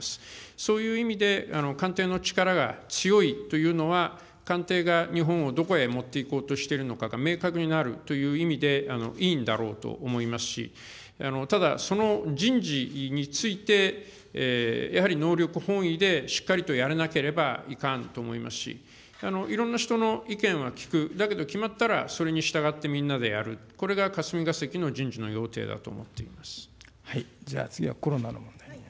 そういう意味で、官邸の力が強いというのは、官邸が日本をどこへ持っていこうとしているのかが明確になるという意味で、いいんだろうと思いますし、ただ、その人事について、やはり能力本位で、しっかりとやらなければいかんと思いますし、いろんな人の意見は聞く、だけど決まったらそれに従ってみんなでやる、これが霞が関次はコロナの問題。